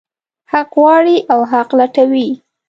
حق غواړي او حق لټوي.